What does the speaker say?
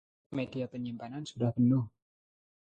Media penyimpanan sudah penuh.